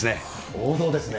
王道ですね。